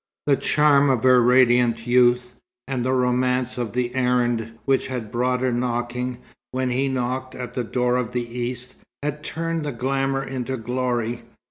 The charm of her radiant youth, and the romance of the errand which had brought her knocking, when he knocked, at the door of the East, had turned the glamour into glory.